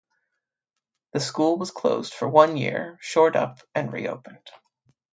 The school was closed for one year, shored up and reopened.